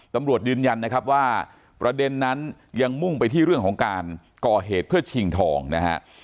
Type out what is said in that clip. ตำรวจยืนยันนะครับว่าประเด็นนั้นยังมุ่งไปที่เรื่องของการก่อเหตุเพื่อชิงทองนะฮะ